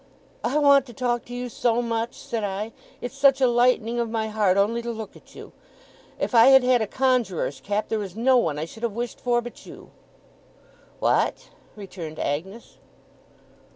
'I want to talk to you so much!' said I. 'It's such a lightening of my heart, only to look at you! If I had had a conjuror's cap, there is no one I should have wished for but you!' 'What?' returned Agnes.